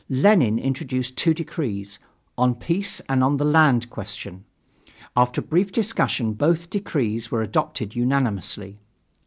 Lenin introduced two decrees: on peace and on the land question. After brief discussion, both decrees were adopted unanimously.